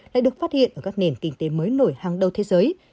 lại được phát hiện ở các nền kinh tế mới nổi hàng tuần trước